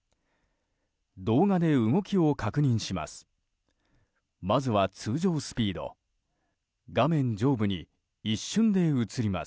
動画で動きを確認します。